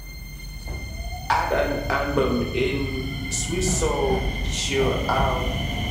add an album in Sweet Soul Chillout